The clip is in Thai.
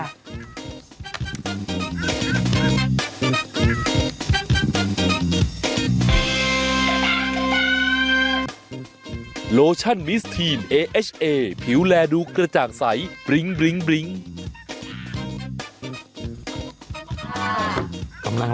กำลังมาหานะ